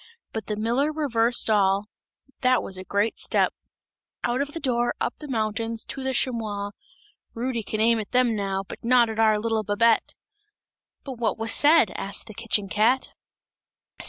But the miller reversed all, that was a great step! Out of the door, up the mountains, to the chamois! Rudy can aim at them now, but not at our little Babette!" "But what was said?" asked the kitchen cat.